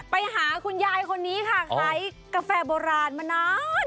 ไปหาคุณยายคนนี้ค่ะขายกาแฟโบราณมานาน